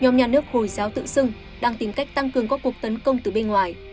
nhóm nhà nước hồi giáo tự xưng đang tìm cách tăng cường các cuộc tấn công từ bên ngoài